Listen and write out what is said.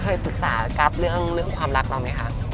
เคยปรึกษากราฟเรื่องความรักเราไหมคะ